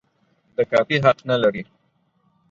د کاپي حق نه لري.